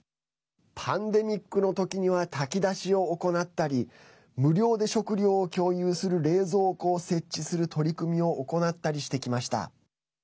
パンデミックの時には炊き出しを行ったり無料で食料を共有する冷蔵庫を設置する取り組みを行ったりしてきました。